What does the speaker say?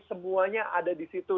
semuanya ada di situ